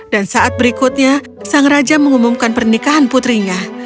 dan saat berikutnya sang raja mengumumkan pernikahan putrinya